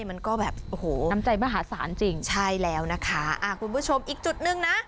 มันก็แบบโอ้โหใช่แล้วนะคะคุณผู้ชมอีกจุดนึงนะ